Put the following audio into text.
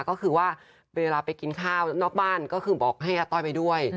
ก็คือว่าเวลาไปกินข้าวนอกบ้านก็คือบอกให้อาต้อยไปด้วย